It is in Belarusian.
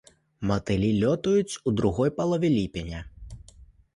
Матылі лётаюць у другой палове ліпеня.